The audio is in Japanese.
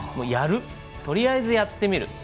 やる、とりあえずやってみる。